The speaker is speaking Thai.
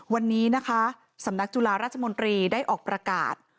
วันนี้นะคะสำนักจุฬาราชมนตรีได้ออกประกาศ